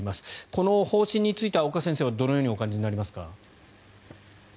この方針については岡先生はどのようにお感じになりますか？